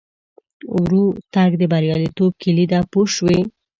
ورو تګ د بریالیتوب کیلي ده پوه شوې!.